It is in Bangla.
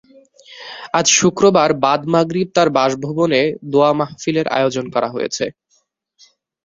আজ শুক্রবার মাদ মাগরিব তাঁর বাসভবনে দোয়া মাহফিলের আয়োজন করা হয়েছে।